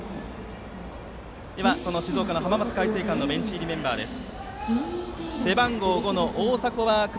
では、静岡の浜松開誠館のベンチ入りメンバーです。